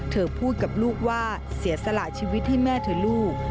เธอพูดกับลูกว่าเสียสละชีวิตให้แม่เถอะลูก